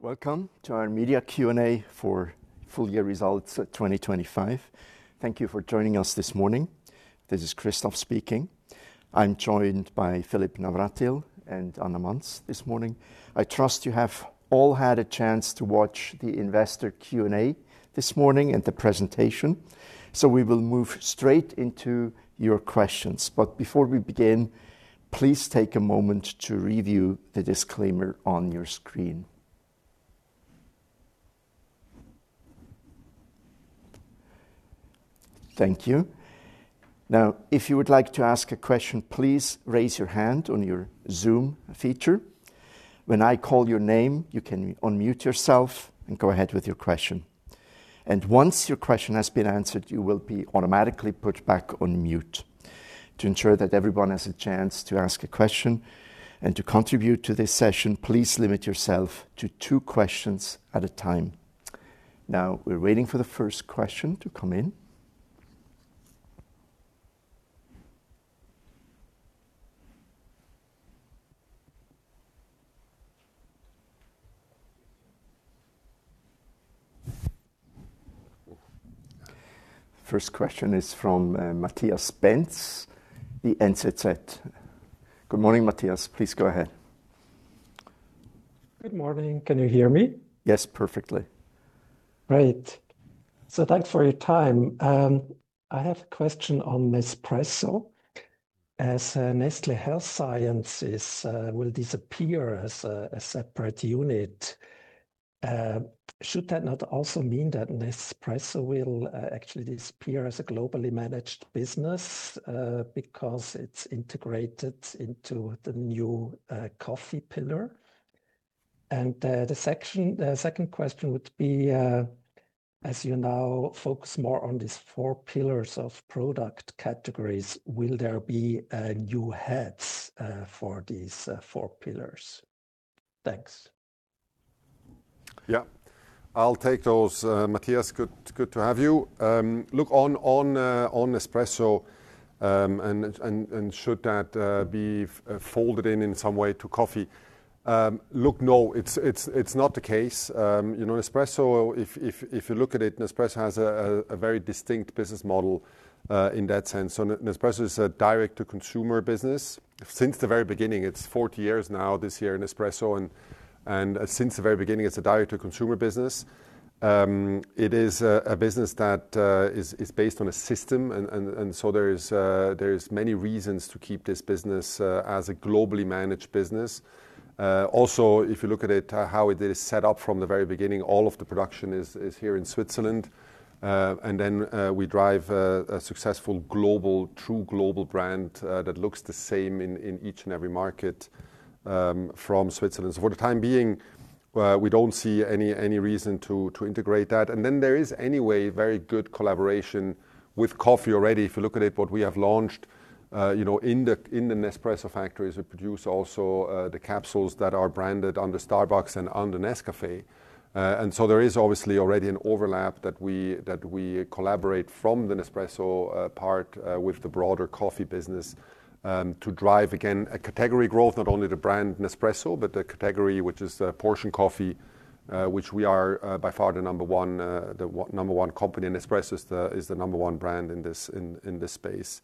Welcome to our media Q&A for full year results 2025. Thank you for joining us this morning. This is Christoph speaking. I'm joined by Philipp Navratil and Anna Manz this morning. I trust you have all had a chance to watch the investor Q&A this morning and the presentation, so we will move straight into your questions. But before we begin, please take a moment to review the disclaimer on your screen. Thank you. Now, if you would like to ask a question, please raise your hand on your Zoom feature. When I call your name, you can unmute yourself and go ahead with your question, and once your question has been answered, you will be automatically put back on mute. To ensure that everyone has a chance to ask a question and to contribute to this session, please limit yourself to two questions at a time. Now, we're waiting for the first question to come in. First question is from, Matthias Benz, the NZZ. Good morning, Matthias. Please go ahead. Good morning. Can you hear me? Yes, perfectly. Great. So thanks for your time. I have a question on Nespresso. As Nestlé Health Sciences will disappear as a separate unit, should that not also mean that Nespresso will actually disappear as a globally managed business because it's integrated into the new coffee pillar? And the second question would be, as you now focus more on these four pillars of product categories, will there be new heads for these four pillars? Thanks. Yeah. I'll take those, Matthias. Good, good to have you. Look, on Nespresso, and should that be folded in some way to coffee? Look, no, it's not the case. You know, Nespresso, if you look at it, Nespresso has a very distinct business model in that sense. So Nespresso is a direct-to-consumer business. Since the very beginning, it's 40 years now, this year, Nespresso, and since the very beginning, it's a direct-to-consumer business. It is a business that is based on a system and so there is many reasons to keep this business as a globally managed business. Also, if you look at it, how it is set up from the very beginning, all of the production is here in Switzerland, and then we drive a successful global, true global brand that looks the same in each and every market from Switzerland. So for the time being, we don't see any reason to integrate that. And then there is, anyway, very good collaboration with coffee already. If you look at it, what we have launched, you know, in the Nespresso factories, we produce also the capsules that are branded under Starbucks and under Nescafé. And so there is obviously already an overlap that we collaborate from the Nespresso part with the broader coffee business to drive, again, a category growth, not only the brand Nespresso, but the category, which is portion coffee, which we are by far the number one company, and Nespresso is the number one brand in this space.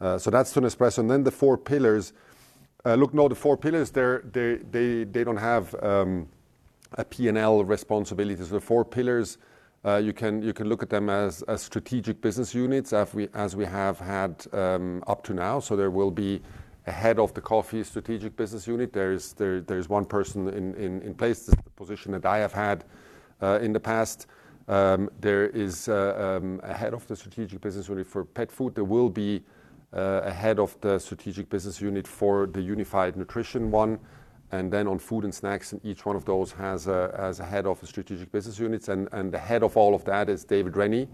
So that's to Nespresso. And then the four pillars. Look, now the four pillars, they don't have a P&L responsibilities. The four pillars, you can look at them as strategic business units, as we have had up to now. So there will be a head of the coffee strategic business unit. There is one person in place. This is the position that I have had in the past. There is a head of the strategic business unit for pet food. There will be a head of the strategic business unit for the unified nutrition one, and then on food and snacks, and each one of those has a head of the strategic business units. And the head of all of that is David Rennie,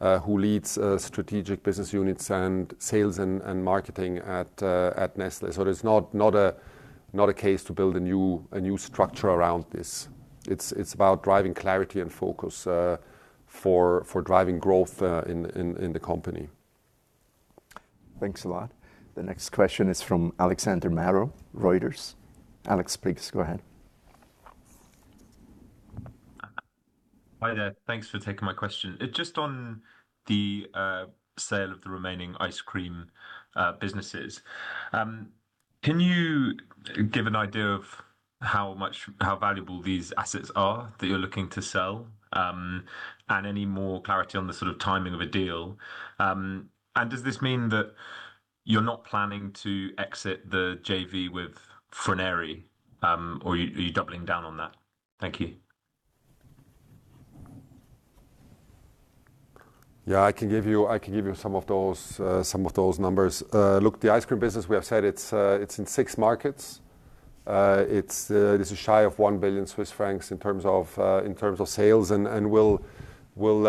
who leads strategic business units and sales and marketing at Nestlé. So there's not a case to build a new structure around this. It's about driving clarity and focus for driving growth in the company. Thanks a lot. The next question is from Alexander Marrow, Reuters. Alex, please go ahead. Hi there. Thanks for taking my question. Just on the sale of the remaining ice cream businesses, can you give an idea of how much, how valuable these assets are that you're looking to sell? And any more clarity on the sort of timing of a deal. And does this mean that you're not planning to exit the JV with Froneri, or are you doubling down on that? Thank you. Yeah, I can give you, I can give you some of those, some of those numbers. Look, the ice cream business, we have said it's, it's in six markets. It's, this is shy of 1 billion Swiss francs in terms of, in terms of sales, and, and we'll, we'll,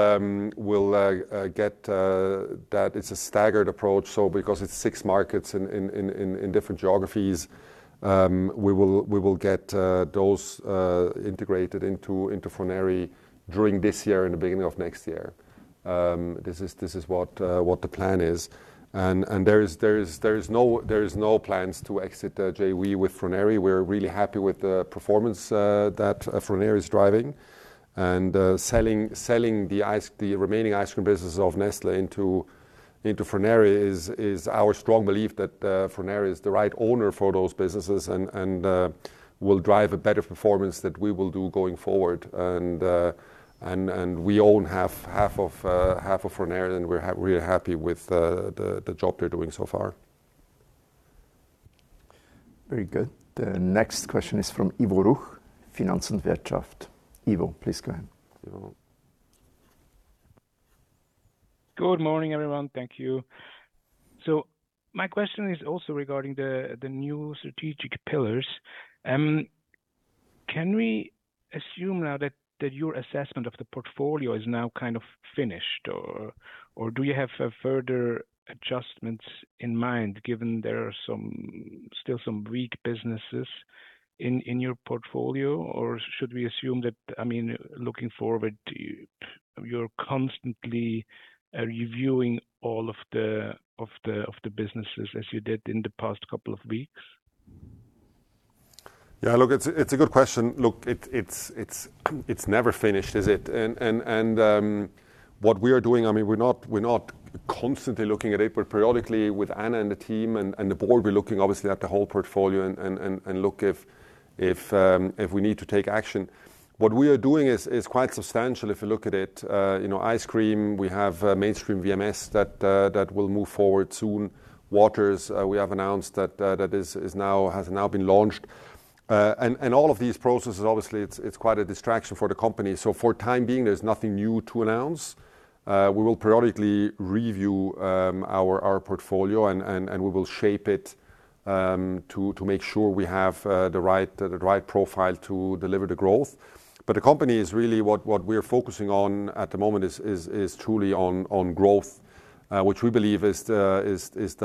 we'll, get that. It's a staggered approach, so because it's six markets in different geographies, we will, we will get, those, integrated into, into Froneri during this year and the beginning of next year. This is, this is what, what the plan is. And, and there is, there is, there is no, there is no plans to exit the JV with Froneri. We're really happy with the performance, that, Froneri is driving. Selling the remaining ice cream business of Nestlé into Froneri is our strong belief that Froneri is the right owner for those businesses and we own half of Froneri, and we're happy with the job they're doing so far. Very good. The next question is from Ivo Ruch, Finanz und Wirtschaft. Ivo, please go ahead. Ivo. Good morning, everyone. Thank you. So my question is also regarding the new strategic pillars. Can we assume now that your assessment of the portfolio is now kind of finished, or do you have further adjustments in mind, given there are some still some weak businesses in your portfolio? Or should we assume that, I mean, looking forward, you're constantly reviewing all of the businesses as you did in the past couple of weeks? Yeah, look, it's a good question. Look, it's never finished, is it? And what we are doing, I mean, we're not constantly looking at it, but periodically, with Anna and the team and the board, we're looking obviously at the whole portfolio and look if we need to take action. What we are doing is quite substantial if you look at it. You know, ice cream, we have mainstream VMS that will move forward soon. Waters, we have announced that that is now has now been launched. And all of these processes, obviously, it's quite a distraction for the company. So for time being, there's nothing new to announce. We will periodically review our portfolio, and we will shape it to make sure we have the right profile to deliver the growth. But the company is really what we're focusing on at the moment is truly on growth, which we believe is the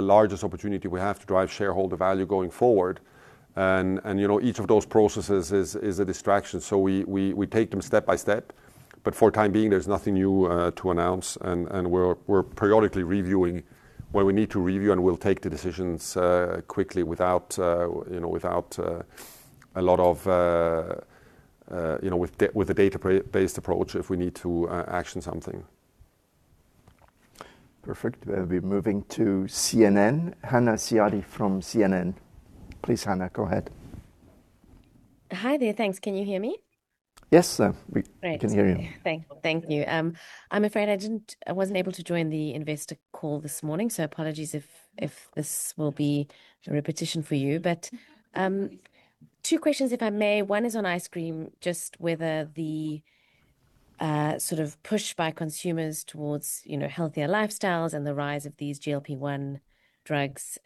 largest opportunity we have to drive shareholder value going forward. And, you know, each of those processes is a distraction, so we take them step by step. But for time being, there's nothing new to announce, and we're periodically reviewing where we need to review, and we'll take the decisions quickly, without, you know, without a lot of, you know, with a data-based approach if we need to action something. Perfect. We'll be moving to CNN. Hanna Ziady from CNN. Please, Hanna, go ahead. Hi there. Thanks. Can you hear me? Yes, we can hear you. Great. Thank you. I'm afraid I wasn't able to join the investor call this morning, so apologies if this will be a repetition for you. But two questions, if I may. One is on ice cream, just whether the sort of push by consumers towards, you know, healthier lifestyles and the rise of these GLP-1 drugs,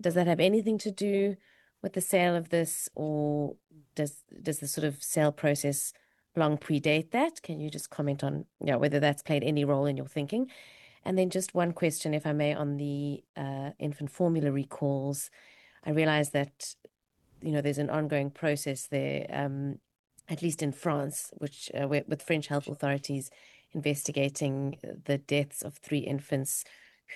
does that have anything to do with the sale of this, or does the sort of sale process long predate that? Can you just comment on, you know, whether that's played any role in your thinking? And then just one question, if I may, on the infant formula recalls. I realize that, you know, there's an ongoing process there, at least in France, which, with French health authorities investigating the deaths of three infants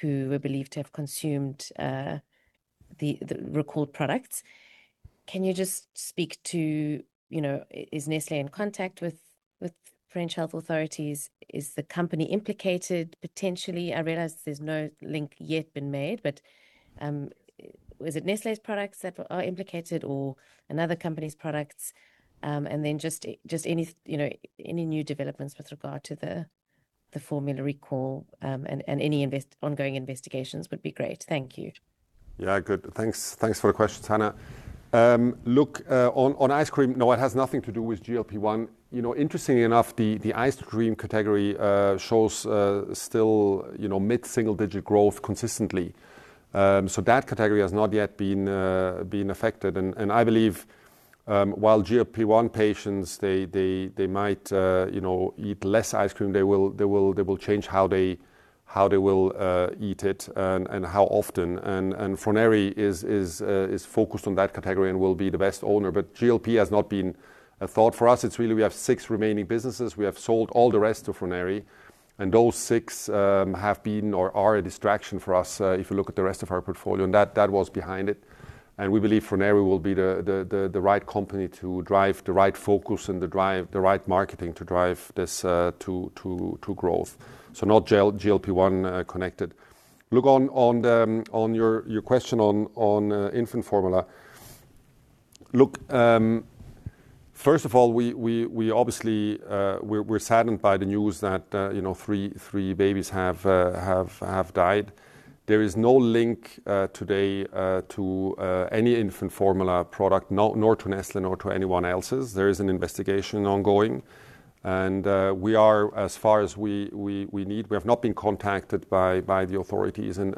who were believed to have consumed the recalled products. Can you just speak to, you know, is Nestlé in contact with French health authorities? Is the company implicated potentially? I realize there's no link yet been made, but, is it Nestlé's products that are implicated or another company's products? And then just any, you know, any new developments with regard to the formula recall, and any ongoing investigations would be great. Thank you. Yeah, good. Thanks, thanks for the question, Hanna. Look, on ice cream, no, it has nothing to do with GLP-1. You know, interestingly enough, the ice cream category shows still, you know, mid-single-digit growth consistently. So that category has not yet been affected. And I believe, while GLP-1 patients, they might, you know, eat less ice cream, they will change how they will eat it and how often. And Froneri is focused on that category and will be the best owner. But GLP has not been a thought for us. It's really, we have six remaining businesses. We have sold all the rest to Froneri, and those six have been or are a distraction for us, if you look at the rest of our portfolio, and that was behind it. And we believe Froneri will be the right company to drive the right focus and the drive, the right marketing to drive this to growth. So not GLP-1 connected. Look, on your question on infant formula. Look, first of all, we obviously we're saddened by the news that you know, three babies have died. There is no link today to any infant formula product, nor to Nestlé nor to anyone else's. There is an investigation ongoing, and as far as we know, we have not been contacted by the authorities, and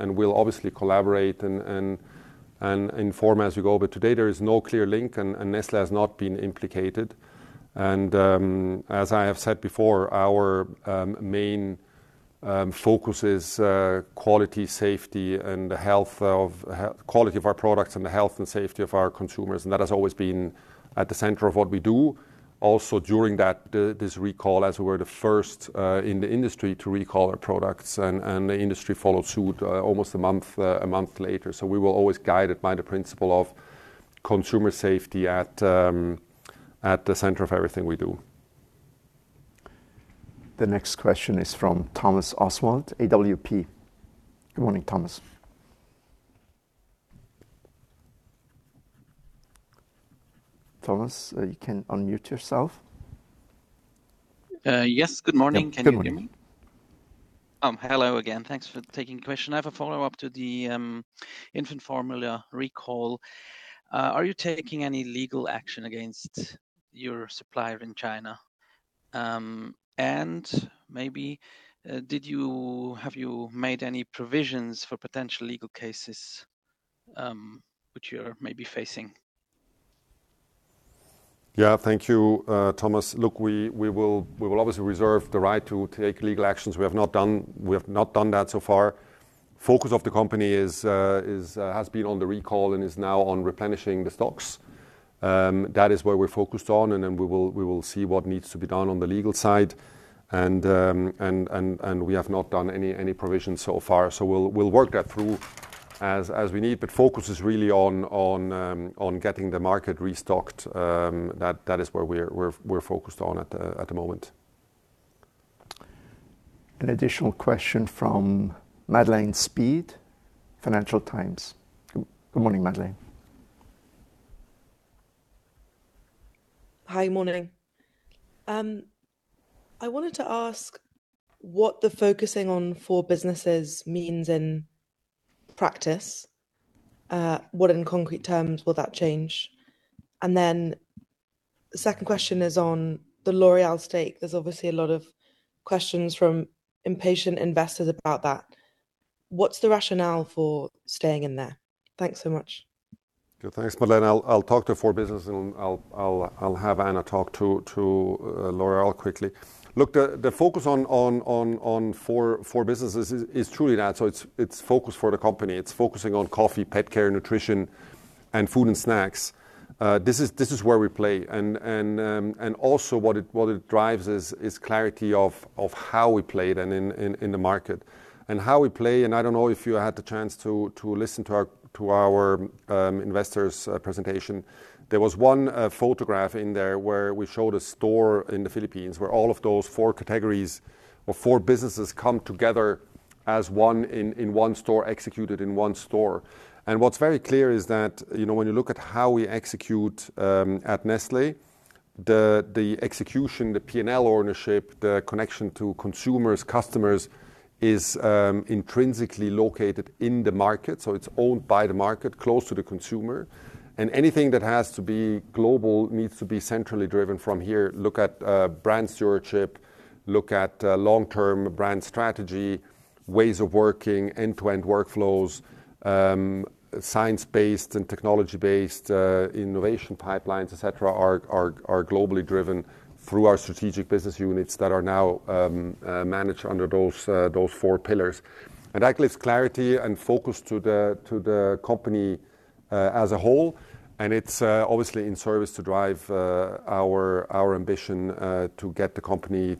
inform as we go. But to date, there is no clear link, and Nestlé has not been implicated. As I have said before, our main focus is quality, safety, and the quality of our products and the health and safety of our consumers, and that has always been at the center of what we do. Also, during this recall, as we were the first in the industry to recall our products, and the industry followed suit, almost a month later. So we were always guided by the principle of consumer safety at the center of everything we do. The next question is from Thomas Oswald, AWP. Good morning, Thomas. Thomas, you can unmute yourself. Yes, good morning. Yeah, good morning. Can you hear me? Hello again. Thanks for taking the question. I have a follow-up to the infant formula recall. Are you taking any legal action against your supplier in China? And maybe have you made any provisions for potential legal cases, which you're maybe facing? Yeah. Thank you, Thomas. Look, we will obviously reserve the right to take legal actions. We have not done that so far. Focus of the company has been on the recall and is now on replenishing the stocks. That is where we're focused on, and then we will see what needs to be done on the legal side. And we have not done any provision so far. So we'll work that through as we need, but focus is really on getting the market restocked. That is where we're focused on at the moment. An additional question from Madeleine Speed, Financial Times. Good morning, Madeleine. Hi, morning. I wanted to ask what the focusing on four businesses means in practice? What in concrete terms will that change? And then the second question is on the L'Oréal stake. There's obviously a lot of questions from impatient investors about that. What's the rationale for staying in there? Thanks so much. Good. Thanks, Madeleine. I'll talk to four business, and I'll have Anna talk to L'Oréal quickly. Look, the focus on four businesses is truly that. So it's focus for the company. It's focusing on coffee, petcare, nutrition, and food and snacks. This is where we play. And also what it drives is clarity of how we play then in the market. And how we play, and I don't know if you had the chance to listen to our investors' presentation, there was one photograph in there where we showed a store in the Philippines, where all of those four categories or four businesses come together as one in one store, executed in one store. What's very clear is that, you know, when you look at how we execute at Nestlé, the execution, the P&L ownership, the connection to consumers, customers is intrinsically located in the market, so it's owned by the market, close to the consumer. Anything that has to be global needs to be centrally driven from here. Look at brand stewardship, look at long-term brand strategy, ways of working, end-to-end workflows, science-based and technology-based innovation pipelines, et cetera, are globally driven through our strategic business units that are now managed under those four pillars. That gives clarity and focus to the company as a whole, and it's obviously in service to drive our ambition to get the company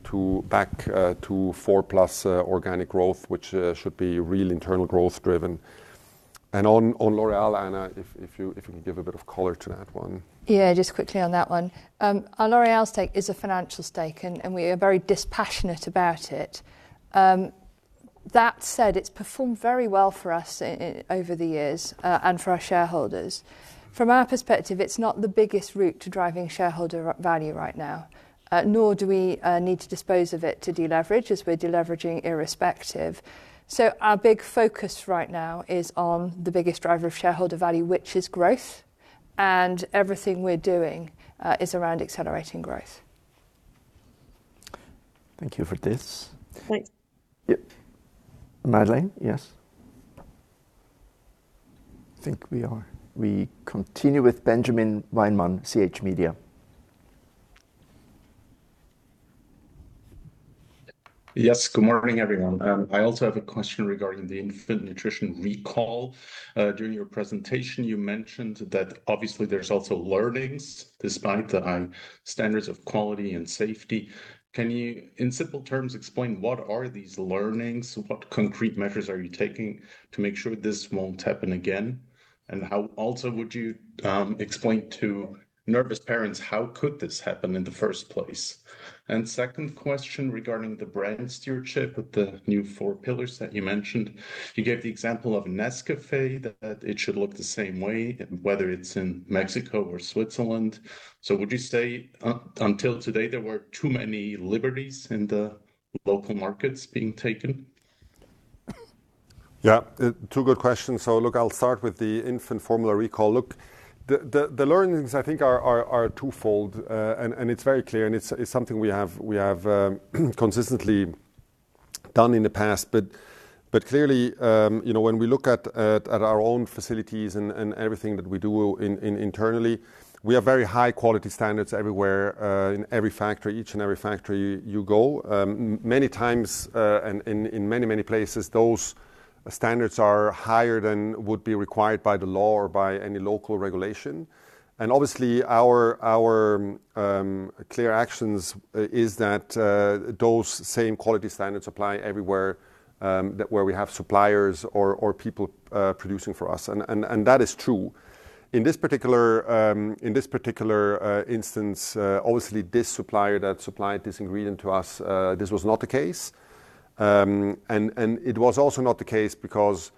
back to 4%+ organic growth, which should be real internal growth driven. On L'Oréal, Anna, if you can give a bit of color to that one. Yeah, just quickly on that one. Our L'Oréal stake is a financial stake, and, and we are very dispassionate about it. That said, it's performed very well for us, over the years, and for our shareholders. From our perspective, it's not the biggest route to driving shareholder value right now, nor do we need to dispose of it to deleverage, as we're deleveraging irrespective. So our big focus right now is on the biggest driver of shareholder value, which is growth, and everything we're doing is around accelerating growth. Thank you for this. Thanks. Yep. Madeleine, yes? I think we continue with Benjamin Weinmann, CH Media. Yes, good morning, everyone. I also have a question regarding the infant nutrition recall. During your presentation, you mentioned that obviously there's also learnings despite the standards of quality and safety. Can you, in simple terms, explain what are these learnings? What concrete measures are you taking to make sure this won't happen again? And how also would you explain to nervous parents, how could this happen in the first place? And second question regarding the brand stewardship with the new four pillars that you mentioned. You gave the example of Nescafé, that it should look the same way, whether it's in Mexico or Switzerland. So would you say until today, there were too many liberties in the local markets being taken? Yeah, two good questions. So look, I'll start with the infant formula recall. Look, the learnings I think are twofold, and it's very clear, and it's something we have consistently done in the past. But clearly, you know, when we look at our own facilities and everything that we do internally, we have very high-quality standards everywhere, in every factory, each and every factory you go. Many times, and in many places, those standards are higher than would be required by the law or by any local regulation. And obviously, our clear actions is that those same quality standards apply everywhere, that where we have suppliers or people producing for us, and that is true. In this particular instance, obviously, this supplier that supplied this ingredient to us, this was not the case. And it was also not the case because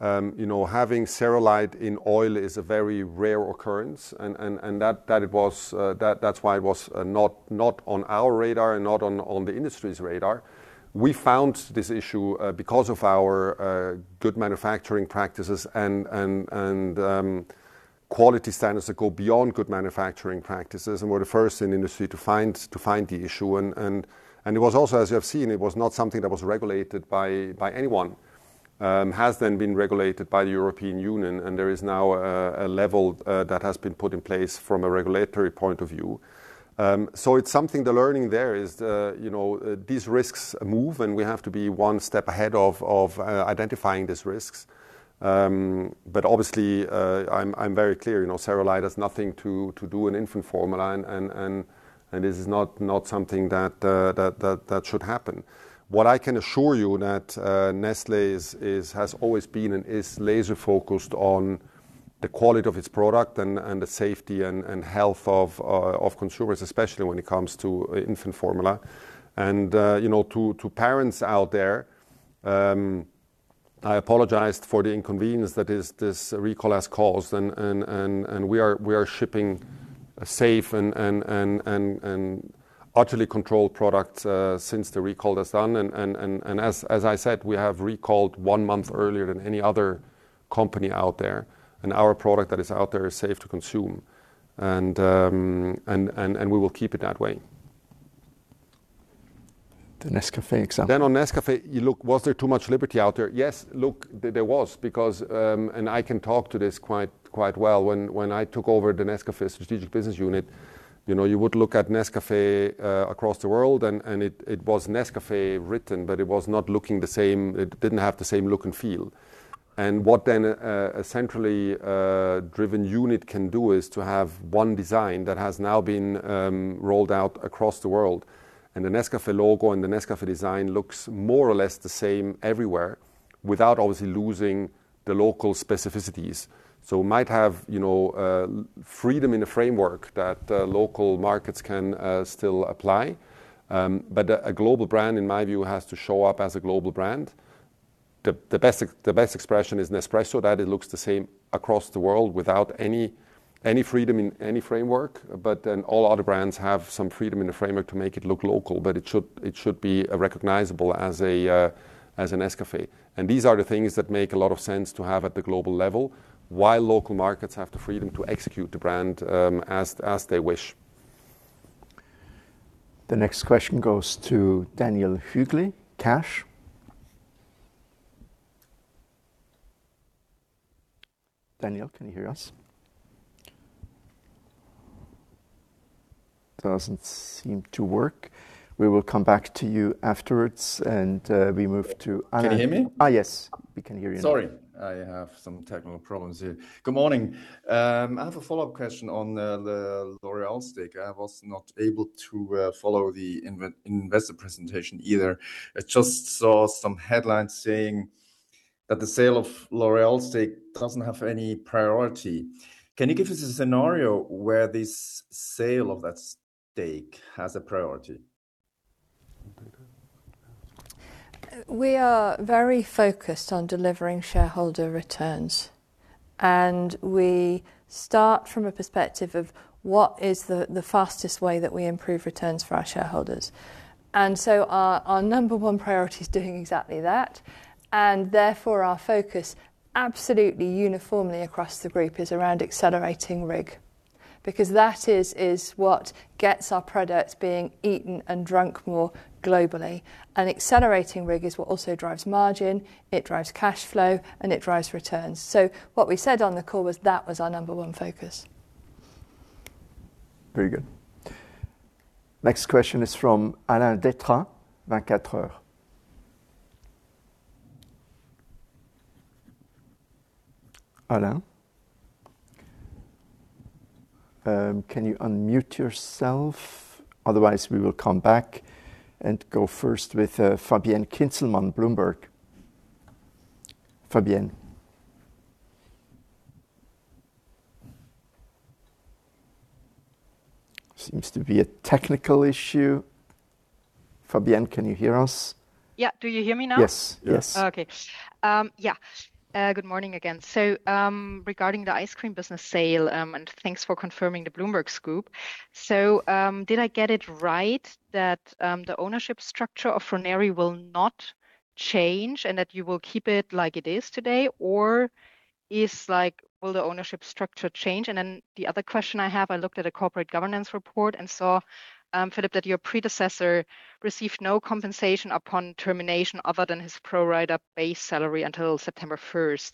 you know, having cereulide in oil is a very rare occurrence, and that it was, that's why it was not on our radar and not on the industry's radar. We found this issue because of our Good Manufacturing Practices and quality standards that go beyond Good Manufacturing Practices, and we're the first in the industry to find the issue. And it was also, as you have seen, it was not something that was regulated by anyone. Has then been regulated by the European Union, and there is now a level that has been put in place from a regulatory point of view. So it's something the learning there is, you know, these risks move, and we have to be one step ahead of identifying these risks. But obviously, I'm very clear, you know, cereulide has nothing to do with infant formula and this is not something that should happen. What I can assure you that Nestlé has always been and is laser focused on the quality of its product and the safety and health of consumers, especially when it comes to infant formula. And, you know, to parents out there, I apologize for the inconvenience that this recall has caused, and we are shipping a safe and utterly controlled product since the recall is done. And, as I said, we have recalled one month earlier than any other company out there, and our product that is out there is safe to consume, and we will keep it that way. The Nescafé example. Then on Nescafé, you look, was there too much liberty out there? Yes, look, there was. And I can talk to this quite, quite well. When I took over the Nescafé strategic business unit, you know, you would look at Nescafé across the world, and it was Nescafé written, but it was not looking the same, it didn't have the same look and feel. And what then a centrally driven unit can do is to have one design that has now been rolled out across the world, and the Nescafé logo and the Nescafé design looks more or less the same everywhere, without obviously losing the local specificities. So might have, you know, freedom in the framework that local markets can still apply. But a global brand, in my view, has to show up as a global brand. The best expression is Nespresso, that it looks the same across the world without any freedom in any framework, but then all other brands have some freedom in the framework to make it look local, but it should be recognizable as a Nescafé. And these are the things that make a lot of sense to have at the global level, while local markets have the freedom to execute the brand as they wish. The next question goes to Daniel Hügli, cash. Daniel, can you hear us? Doesn't seem to work. We will come back to you afterwards, and, we move to. Can you hear me? Ah, yes, we can hear you now. Sorry. I have some technical problems here. Good morning. I have a follow-up question on the L'Oréal stake. I was not able to follow the investor presentation either. I just saw some headlines saying that the sale of L'Oréal stake doesn't have any priority. Can you give us a scenario where this sale of that stake has a priority? We are very focused on delivering shareholder returns, and we start from a perspective of: What is the fastest way that we improve returns for our shareholders? And so our number one priority is doing exactly that, and therefore, our focus, absolutely uniformly across the group, is around accelerating RIG. Because that is what gets our products being eaten and drunk more globally, and accelerating RIG is what also drives margin, it drives cash flow, and it drives returns. So what we said on the call was that was our number one focus. Very good. Next question is from Alain Détraz, 24 Heures. Alain, can you unmute yourself? Otherwise, we will come back and go first with Fabienne Kinzelmann, Bloomberg. Fabienne? Seems to be a technical issue. Fabienne, can you hear us? Yeah, do you hear me now? Yes. Yes. Okay. Good morning again. So, regarding the ice cream business sale, and thanks for confirming the Bloomberg scoop. So, did I get it right that, the ownership structure of Froneri will not change, and that you will keep it like it is today, or is like, will the ownership structure change? And then the other question I have, I looked at a corporate governance report and saw, Philipp, that your predecessor received no compensation upon termination, other than his pro-rata base salary, until September 1st.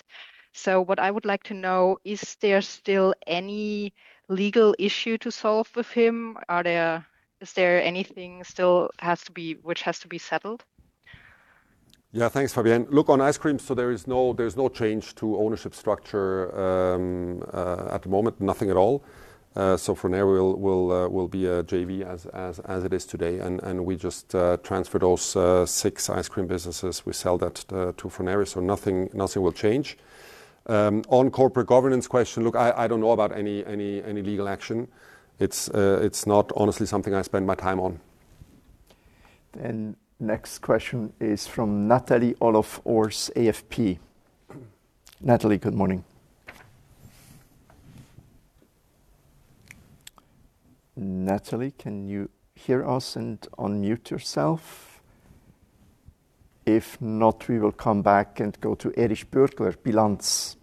So what I would like to know, is there still any legal issue to solve with him? Is there anything still which has to be settled? Yeah, thanks, Fabienne. Look, on ice cream, so there is no, there's no change to ownership structure at the moment, nothing at all. So, Froneri will be a JV as it is today, and we just transferred those six ice cream businesses. We sell that to Froneri, so nothing will change. On corporate governance question, look, I don't know about any legal action. It's not honestly something I spend my time on. Next question is from Nathalie Olof-Ors, AFP. Natalie, good morning. Natalie, can you hear us and unmute yourself? If not, we will come back and go to Erich Bürgler, BILANZ.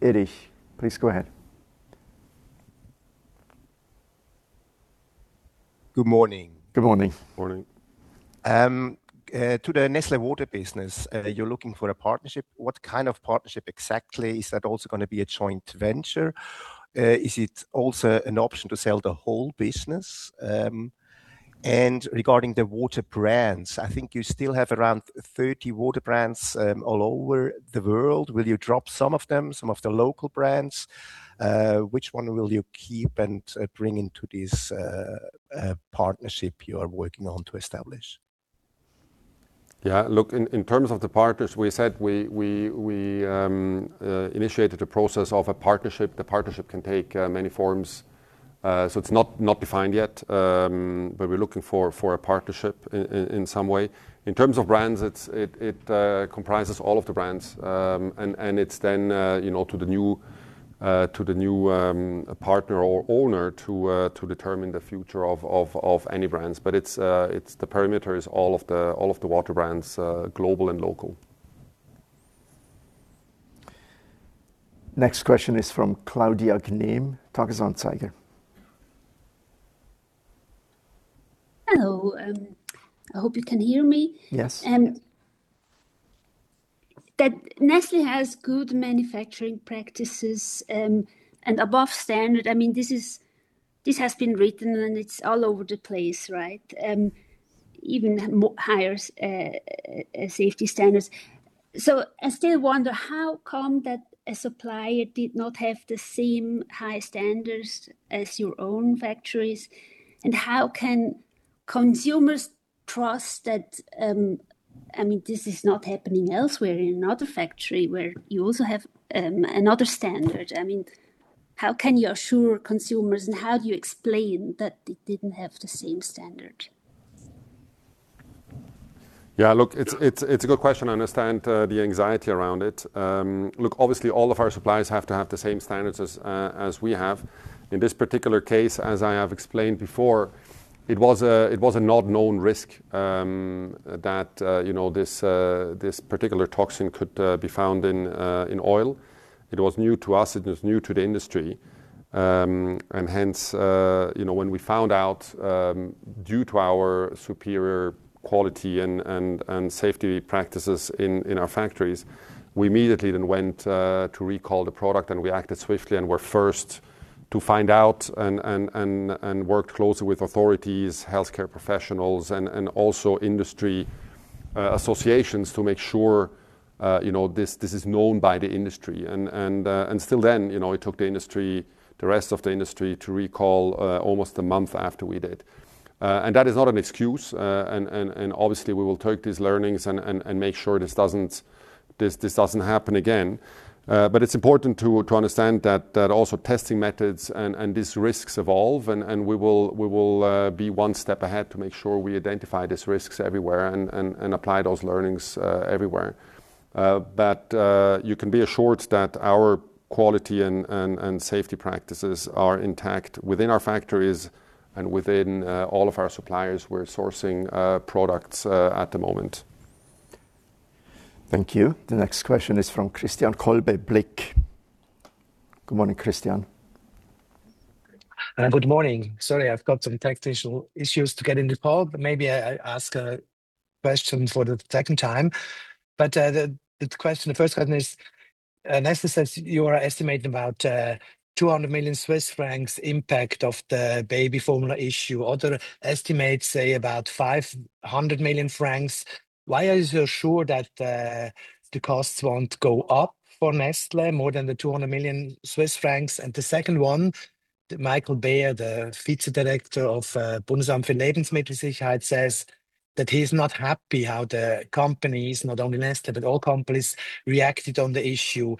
Erich, please go ahead. Good morning. Good morning. Good morning. To the Nestlé water business, you're looking for a partnership. What kind of partnership exactly? Is that also gonna be a joint venture? Is it also an option to sell the whole business? And regarding the water brands, I think you still have around 30 water brands, all over the world. Will you drop some of them, some of the local brands? Which one will you keep and bring into this partnership you are working on to establish? Yeah, look, in terms of the partners, we said we initiated a process of a partnership. The partnership can take many forms, so it's not defined yet, but we're looking for a partnership in some way. In terms of brands, it comprises all of the brands, and it's then to the new partner or owner to determine the future of any brands. But it's the perimeter is all of the water brands, global and local. Next question is from Claudia Gnehm, Tages-Anzeiger. Hello, I hope you can hear me? Yes. That Nestlé has Good Manufacturing Practices, and above standard, I mean, this has been written, and it's all over the place, right? Even higher safety standards. So I still wonder, how come that a supplier did not have the same high standards as your own factories? And how can consumers trust that, I mean, this is not happening elsewhere in another factory where you also have another standard. I mean, how can you assure consumers, and how do you explain that they didn't have the same standard? Yeah, look, it's a good question. I understand the anxiety around it. Look, obviously, all of our suppliers have to have the same standards as we have. In this particular case, as I have explained before, it was a not known risk that you know this particular toxin could be found in oil. It was new to us, and it was new to the industry. And hence, you know, when we found out, due to our superior quality and safety practices in our factories, we immediately then went to recall the product, and we acted swiftly and were first to find out and worked closely with authorities, healthcare professionals, and also industry associations to make sure, you know, this is known by the industry. And still then, you know, it took the rest of the industry to recall almost a month after we did. And that is not an excuse, and obviously, we will take these learnings and make sure this doesn't happen again. But it's important to understand that also testing methods and these risks evolve, and we will be one step ahead to make sure we identify these risks everywhere and apply those learnings everywhere. But you can be assured that our quality and safety practices are intact within our factories and within all of our suppliers we're sourcing products at the moment. Thank you. The next question is from Christian Kolbe, Blick. Good morning, Christian. Good morning. Sorry, I've got some technical issues to get into the call, but maybe I ask a question for the second time. The first question is, Nestlé says you are estimating about 200 million Swiss francs impact of the baby formula issue. Other estimates say about 500 million francs. Why are you sure that the costs won't go up for Nestlé more than the 200 million Swiss francs? And the second one, Michael Beer, the Director of Bundesamt für Lebensmittelsicherheit, says that he's not happy how the companies, not only Nestlé, but all companies, reacted on the issue.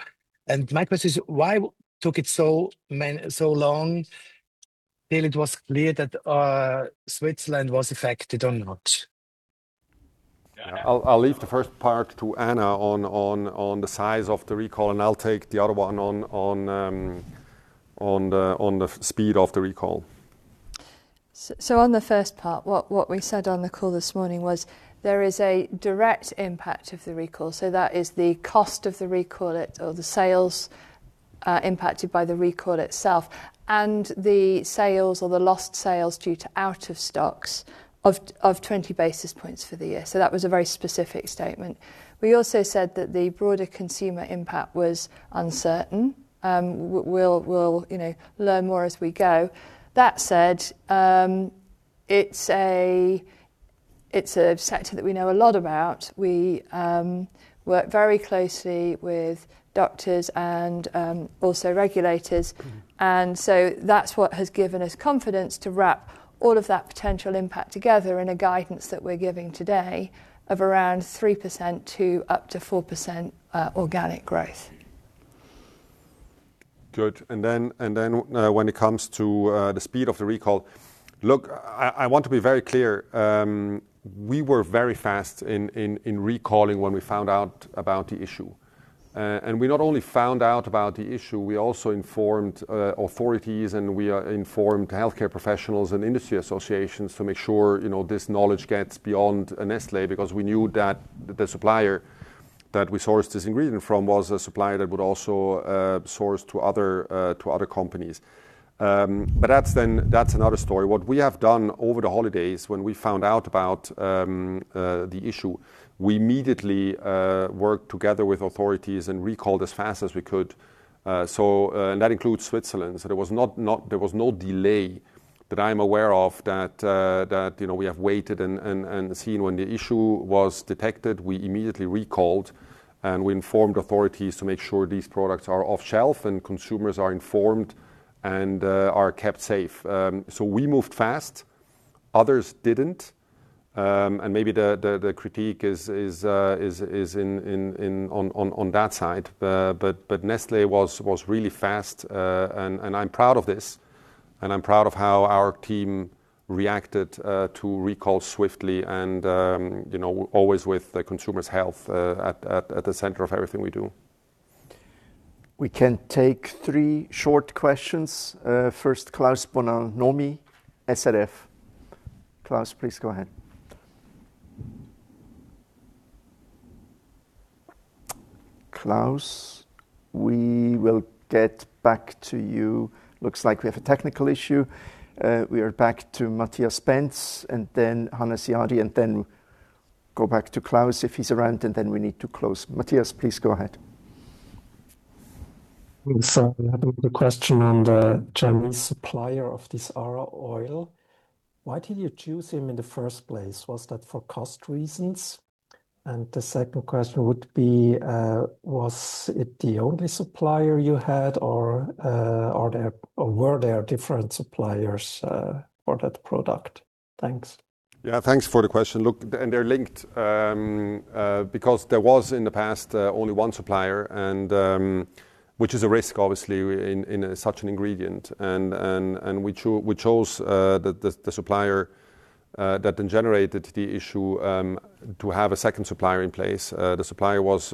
And my question is, why it took so long till it was clear that Switzerland was affected or not? I'll leave the first part to Anna on the size of the recall, and I'll take the other one on the speed of the recall. So on the first part, what we said on the call this morning was there is a direct impact of the recall, so that is the cost of the recall or the sales impacted by the recall itself, and the sales or the lost sales due to out of stocks of 20 basis points for the year. So that was a very specific statement. We also said that the broader consumer impact was uncertain. We'll, you know, learn more as we go. That said, it's a sector that we know a lot about. We work very closely with doctors and also regulators. That's what has given us confidence to wrap all of that potential impact together in a guidance that we're giving today of around 3% to up to 4%, organic growth. Good. And then, when it comes to the speed of the recall, look, I want to be very clear, we were very fast in recalling when we found out about the issue. And we not only found out about the issue, we also informed authorities, and we informed healthcare professionals and industry associations to make sure, you know, this knowledge gets beyond Nestlé, because we knew that the supplier that we sourced this ingredient from was a supplier that would also source to other companies. But that's another story. What we have done over the holidays, when we found out about the issue, we immediately worked together with authorities and recalled as fast as we could. So, and that includes Switzerland. So there was no delay that I'm aware of that, you know, we have waited and seen. When the issue was detected, we immediately recalled, and we informed authorities to make sure these products are off shelf and consumers are informed and are kept safe. So we moved fast. Others didn't. And maybe the critique is in on that side. But Nestlé was really fast, and I'm proud of this, and I'm proud of how our team reacted to recall swiftly and, you know, always with the consumer's health at the center of everything we do. We can take three short questions. First, Klaus Bonanomi, SRF. Klaus, please go ahead. Klaus, we will get back to you. Looks like we have a technical issue. We are back to Matthias Benz, and then Hanna Ziady, and then go back to Klaus if he's around, and then we need to close. Matthias, please go ahead. I have a question on the German supplier of this ARA oil. Why did you choose him in the first place? Was that for cost reasons? The second question would be, was it the only supplier you had, or were there different suppliers for that product? Thanks. Yeah, thanks for the question. Look, and they're linked, because there was, in the past, only one supplier, and, which is a risk, obviously, in such an ingredient. And we chose the supplier that then generated the issue to have a second supplier in place. The supplier was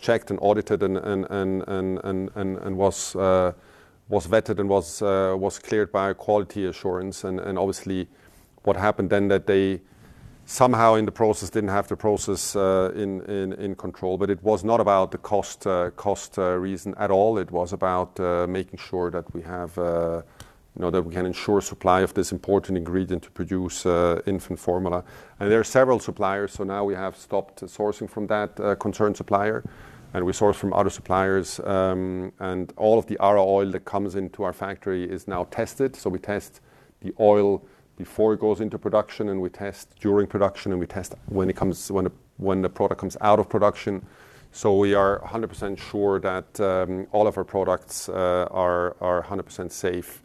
checked and audited and was vetted and was cleared by our quality assurance. And obviously, what happened then, that they somehow in the process didn't have the process in control. But it was not about the cost reason at all. It was about making sure that we have, you know, that we can ensure supply of this important ingredient to produce infant formula. There are several suppliers, so now we have stopped sourcing from that concerned supplier, and we source from other suppliers. All of the ARA oil that comes into our factory is now tested. So we test the oil before it goes into production, and we test during production, and we test when the product comes out of production. So we are 100% sure that all of our products are 100% safe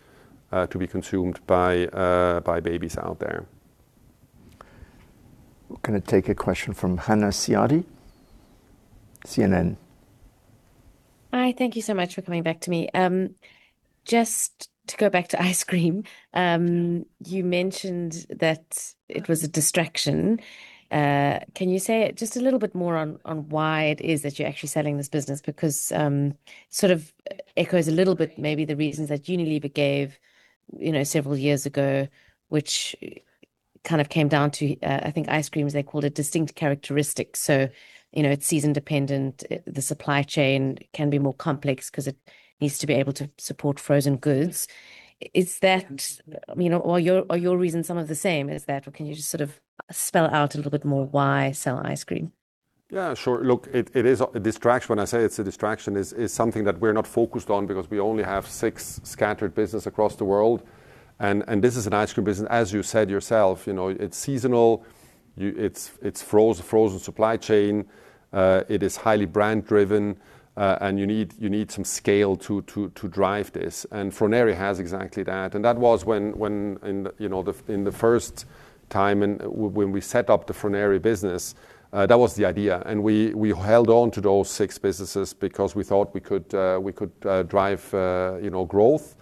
to be consumed by babies out there. We're gonna take a question from Hanna Ziady, CNN. Hi, thank you so much for coming back to me. Just to go back to ice cream, you mentioned that it was a distraction. Can you say just a little bit more on, on why it is that you're actually selling this business? Because, sort of echoes a little bit maybe the reasons that Unilever gave, you know, several years ago, which kind of came down to, I think, ice cream, as they called it, distinct characteristics. So, you know, it's season-dependent. The supply chain can be more complex 'cause it needs to be able to support frozen goods. Is that, you know, or your, or your reasons some of the same as that? Or can you just sort of spell out a little bit more why sell ice cream? Yeah, sure. Look, it is a distraction. When I say it's a distraction, it's something that we're not focused on because we only have six scattered businesses across the world, and this is an ice cream business. As you said yourself, you know, it's seasonal, it's frozen supply chain, it is highly brand driven, and you need some scale to drive this. And Froneri has exactly that. And that was when, in the first time when we set up the Froneri business, that was the idea. And we held on to those six businesses because we thought we could drive, you know, growth.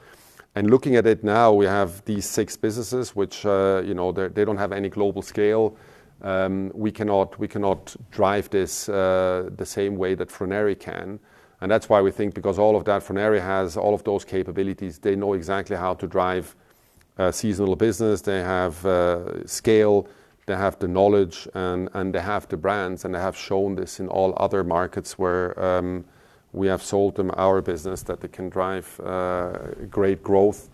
And looking at it now, we have these six businesses which, you know, they don't have any global scale. We cannot, we cannot drive this, the same way that Froneri can. And that's why we think because all of that, Froneri has all of those capabilities. They know exactly how to drive a seasonal business. They have, scale, they have the knowledge, and, and they have the brands, and they have shown this in all other markets where, we have sold them our business, that they can drive, great growth,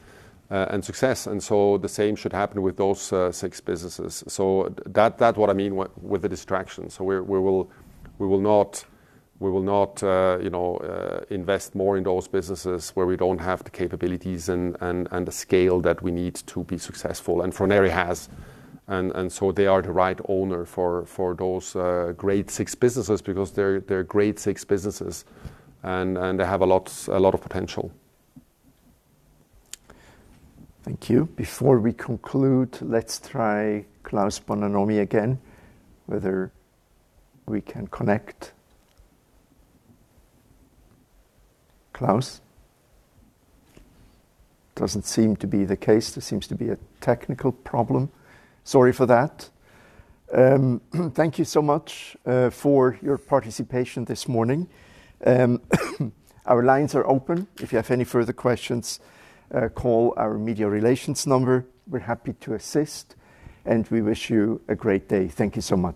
and success. And so the same should happen with those, six businesses. So that, that's what I mean with, with the distraction. So we will not, you know, invest more in those businesses where we don't have the capabilities and the scale that we need to be successful, and Froneri has. And so they are the right owner for those great six businesses, because they're great six businesses, and they have a lot of potential. Thank you. Before we conclude, let's try Klaus Bonanomi again, whether we can connect. Klaus? Doesn't seem to be the case. There seems to be a technical problem. Sorry for that. Thank you so much for your participation this morning. Our lines are open. If you have any further questions, call our media relations number. We're happy to assist, and we wish you a great day. Thank you so much.